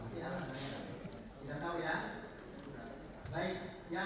tidak tahu ya